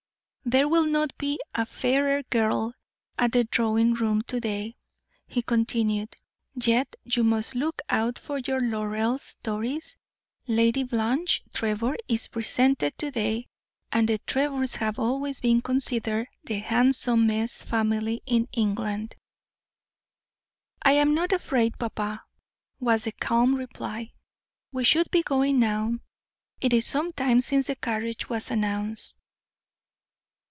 "There will not be a fairer girl at the drawing room to day," he continued, "Yet you must look out for your laurels, Doris. Lady Blanche Trevor is presented to day, and the Trevors have always been considered the handsomest family in England." "I am not afraid, papa," was the calm reply. "We should be going now; it is some time since the carriage was announced."